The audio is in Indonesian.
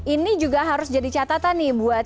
ini juga harus jadi catatan nih buat